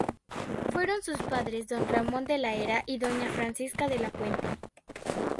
Fueron sus padres don Ramón de La Hera y doña Francisca de la Puente.